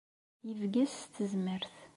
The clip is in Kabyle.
Ibges s tezmert.